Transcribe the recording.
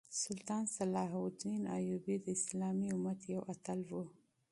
سلطان صلاح الدین ایوبي د اسلامي امت یو اتل وو.